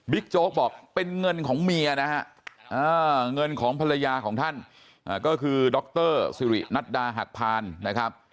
โจ๊กบอกเป็นเงินของเมียนะฮะเงินของภรรยาของท่านก็คือดรสิรินัดดาหักพานนะครับ